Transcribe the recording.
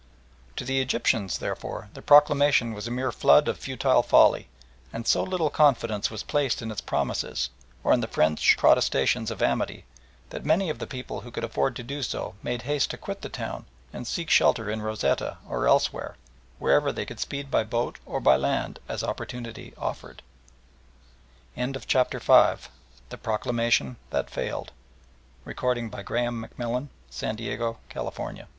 To the Egyptians, therefore, the proclamation was a mere flood of futile folly, and so little confidence was placed in its promises or in the French protestations of amity, that many of the people who could afford to do so made haste to quit the town and seek shelter in Rosetta or elsewhere, wherever they could speed by boat or by land as opportunity offered. CHAPTER VI A LONG MARCH AND A SHORT BATTLE That the advance to Cairo might be made as rapidly as p